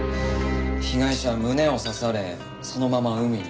被害者は胸を刺されそのまま海に。